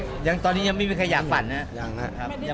แค่นี้ก็ไม่เยอะนะ